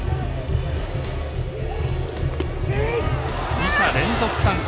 二者連続三振。